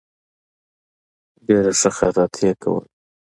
ډېره ښه خطاطي یې کوله.